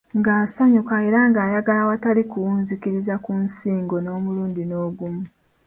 Ng'asanyuka era ng'ayagala awatali kuwunziikiriza ku nsingo n'omurundi n'ogumu.